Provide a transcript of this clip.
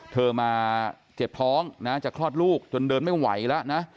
เธอมาเจ็บท้องนะจะคลอดลูกจนเดินไม่ไหวแล้วนะ